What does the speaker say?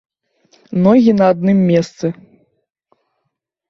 Ногі на адным месцы.